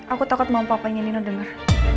aku takut mau papa nyanyiin lu denger